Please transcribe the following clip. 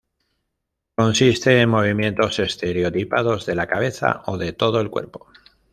Consiste en movimientos estereotipados de la cabeza o de todo el cuerpo.